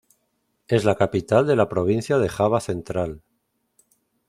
Es la capital de la provincia de Java Central.